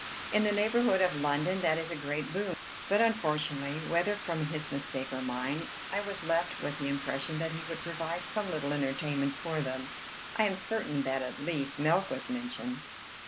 In the neighborhood of London, that is a great boon. But unfortunately, whether from his mistake or mine, I was left with the impression that he would provide some little entertainment for them; I am certain that at least milk was mentioned.